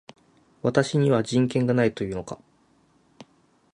私には人権がないと言うのか